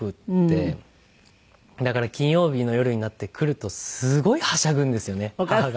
だから金曜日の夜になって来るとすごいはしゃぐんですよね母が。